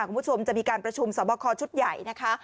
คุณผู้ชมจะมีการประชุมสอบคอชุดใหญ่นะคะ